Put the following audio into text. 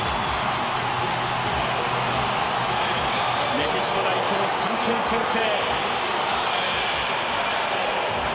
メキシコ代表、３点先制。